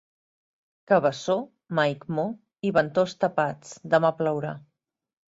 Cabeçó, Maigmó i Ventós tapats, demà plourà.